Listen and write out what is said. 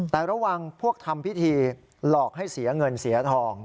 แต่ระหว่างพวกทำพิธีหลอกให้เสียเงินเสียทอง